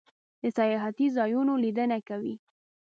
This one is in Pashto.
د سیاحتی ځایونو لیدنه کوئ؟